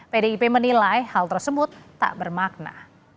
pdip menilai hal tersebut tak bermakna